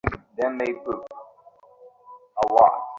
যাঁর সঙ্গে দেখা হল তাকে দেখে মোটামুটি হতাশই হলেন।